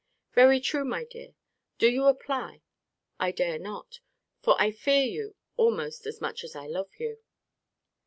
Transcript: Very true, my dear. Do you apply. I dare not. For I fear you, almost as much as I love you.